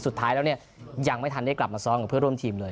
สุดท้ายแล้วเนี่ยยังไม่ทันได้กลับมาซ้อมกับเพื่อนร่วมทีมเลย